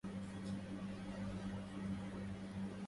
لله أيامي بكم